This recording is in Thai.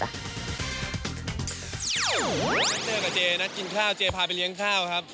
เจอกับเจนัดกินข้าวเจพาไปเลี้ยงข้าวครับ